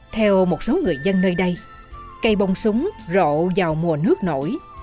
theo một số người dân nơi đây cây bông súng rộ vào mùa nước nổi